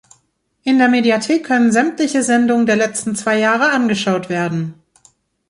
In der Mediathek können sämtliche Sendungen der letzten zwei Jahre angeschaut werden.